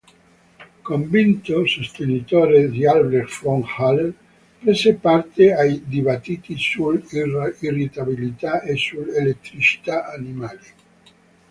Convinto sostenitore di Albrecht von Haller, prese parte ai dibattiti sull'irritabilità e sull'elettricità animale.